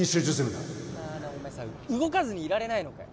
なあなあお前さ動かずにいられないのかよ